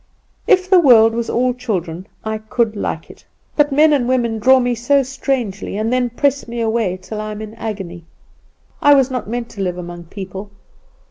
"If the world was all children I could like it; but men and women draw me so strangely, and then press me away, till I am in agony. I was not meant to live among people.